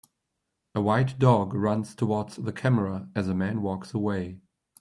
A white dog runs towards the camera as a man walks away.